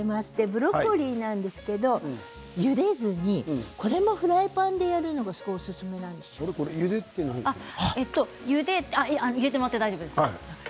ブロッコリーなんですがゆでずにこれもフライパンでやるのが入れてもらって大丈夫です。